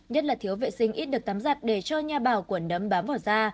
nhất là thiếu vệ sinh ít được tắm giặt để cho nhà bảo quẩn nấm bám vào da